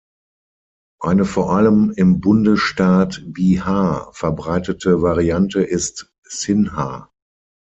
Eine vor allem im Bundesstaat Bihar verbreitete Variante ist "Sinha".